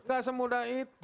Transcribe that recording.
gak semudah itu